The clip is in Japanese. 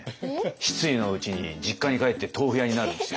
失意のうちに実家に帰って豆腐屋になるんですよ。